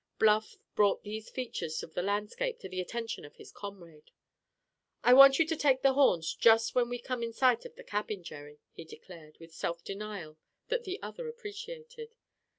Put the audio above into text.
Bluff brought these features of the landscape to the attention of his comrade. "I want you to take the horns just when we come in sight of the cabin, Jerry," he declared, with self denial that the other appreciated.